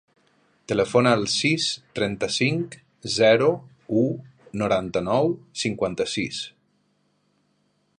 Telefona al sis, trenta-cinc, zero, u, noranta-nou, cinquanta-sis.